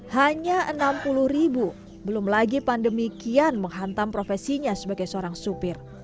hanya enam puluh ribu belum lagi pandemi kian menghantam profesinya sebagai seorang supir